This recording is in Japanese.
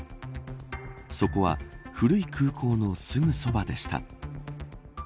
そこは古い空港のすぐそばでした。